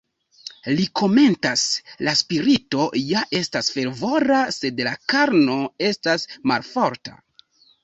Li komentas: "La spirito ja estas fervora, sed la karno estas malforta".